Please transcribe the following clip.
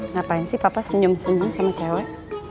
ngapain sih papa senyum senyum sama cewek